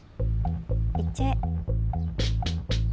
行っちゃえ。